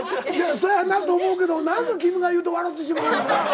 そやなと思うけど何か君が言うと笑ってしまう。